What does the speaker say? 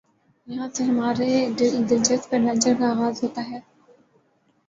یہاں سے ہمارے دلچسپ ایڈونچر کا آغاز ہوتا ہے ۔